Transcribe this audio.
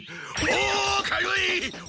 おかゆい！